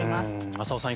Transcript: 浅尾さん